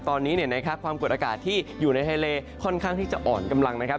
ตอนนี้ความเกิดอากาศที่อยู่ในไทเลค่อนข้างที่จะอ่อนกำลังนะครับ